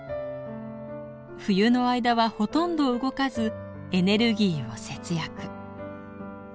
冬の間はほとんど動かずエネルギーを節約。